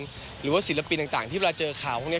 หรือว่าศิลปินต่างที่เวลาเจอข่าวพวกนี้